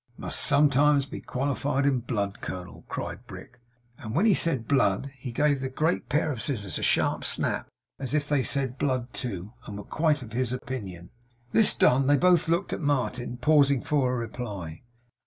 ' Must sometimes be quaffed in blood, colonel,' cried Brick. And when he said 'blood,' he gave the great pair of scissors a sharp snap, as if THEY said blood too, and were quite of his opinion. This done, they both looked at Martin, pausing for a reply.